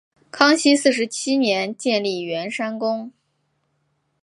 康熙四十七年建立圆山宫。